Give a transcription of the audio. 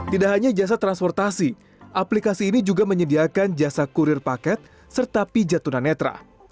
tidak hanya jasa transportasi aplikasi ini juga menyediakan jasa kurir paket serta pijat tunanetra